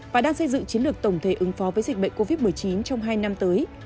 và đang xây dựng chiến lược tổng thể ứng phó với dịch bệnh covid một mươi chín trong hai năm tới